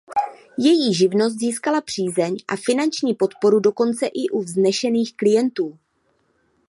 Její živnost získala přízeň a finanční podporu dokonce i u vznešených klientů.